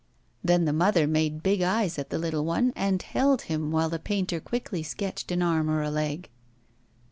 Then the mother made big eyes at the little one, and held him while the painter quickly sketched an arm or a leg.